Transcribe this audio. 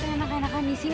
kenapa anak anaknya disini